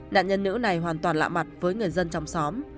nạn nhân nữ này hoàn toàn lạ mặt với người dân trong xóm